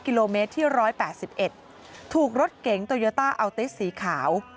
กิโลเมตรที่ร้อยแปดสิบเอ็ดถูกรถเก๋งโตยัตตาอัลเตสสีขาว